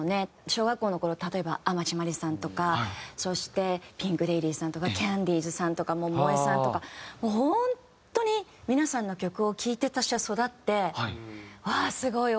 小学校の頃例えば天地真理さんとかそしてピンク・レディーさんとかキャンディーズさんとか百恵さんとかもう本当に皆さんの曲を聴いて私は育ってうわあすごい！